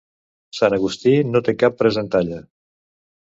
Sant Agustí no té cap presentalla.